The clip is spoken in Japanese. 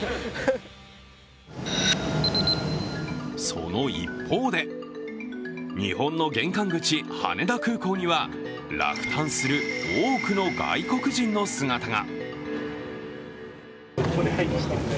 その一方で日本の玄関口、羽田空港には落胆する多くの外国人の姿が。